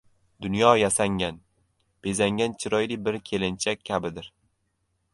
Dunyo yasangan, bezangan chiroyli bir kelinchak kabidir!